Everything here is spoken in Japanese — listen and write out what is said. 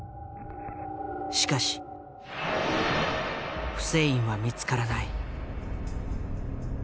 しかしフセインは見つからない。